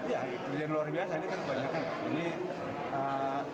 ya kerjaan luar biasa ini kan banyak